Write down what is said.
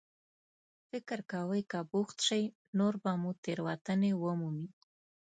فکر کوئ که بوخت شئ، نور به مو تېروتنې ومومي.